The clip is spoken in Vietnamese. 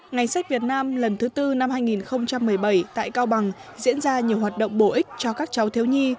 ngày sách việt nam lần thứ tư năm hai nghìn một mươi bảy tại cao bằng diễn ra nhiều hoạt động bổ ích cho các cháu thiếu nhi